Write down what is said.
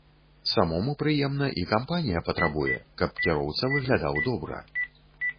Самому прыемна і кампанія патрабуе, каб кіроўца выглядаў добра.